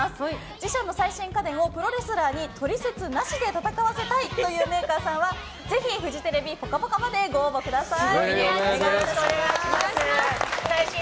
自社の最新家電をプロレスラーに取説なしで戦わせたい！というメーカーさんはぜひフジテレビ「ぽかぽか」までご応募ください。